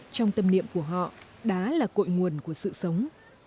trong tâm niệm của họ đá là cội nguồn của sự sống